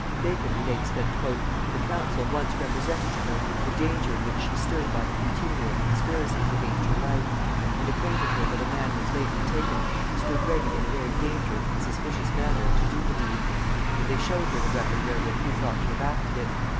Bacon relates that "the council once represented to her the danger in which she stood by the continual conspiracies against her life, and acquainted her that a man was lately taken who stood ready in a very dangerous and suspicious manner to do the deed; and they showed her the weapon wherewith he thought to have acted it.